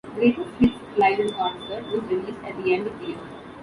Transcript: "Greatest Hits-Live in Concert" was released at the end of the year.